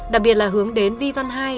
đặc biệt là hướng đến vi văn hai